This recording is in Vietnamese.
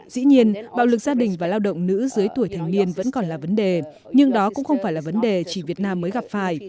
dĩ nhiên bạo lực gia đình và lao động nữ dưới tuổi thành niên vẫn còn là vấn đề nhưng đó cũng không phải là vấn đề chỉ việt nam mới gặp phải